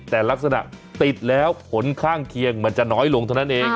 แต่ลักษณะติดแล้วผลข้างเคียงมันจะน้อยลงเท่านั้นเอง